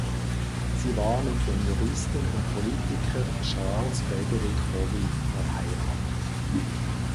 Sie war mit dem Juristen und Politiker Charles Frederick Holly verheiratet.